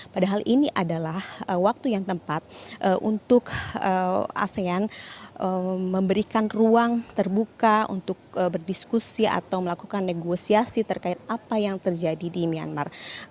padahal ini adalah waktu yang tepat untuk asean memberikan ruang terbuka untuk berdiskusi atau melakukan negosiasi terkait apa yang terjadi di myanmar